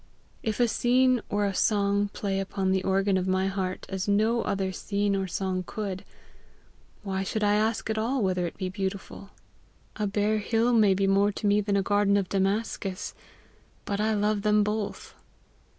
If a scene or a song play upon the organ of my heart as no other scene or song could, why should I ask at all whether it be beautiful? A bare hill may be more to me than a garden of Damascus, but I love them both.